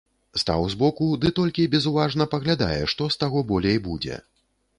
Стаў збоку ды толькі безуважна паглядае, што з таго болей будзе.